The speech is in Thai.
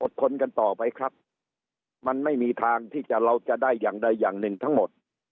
ทนกันต่อไปครับมันไม่มีทางที่จะเราจะได้อย่างใดอย่างหนึ่งทั้งหมด